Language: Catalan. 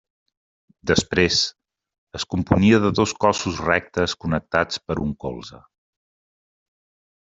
Després, es componia de dos cossos rectes connectats per un colze.